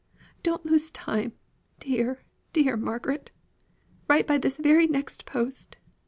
Don't lose time, dear, dear Margaret. Write by this very next post.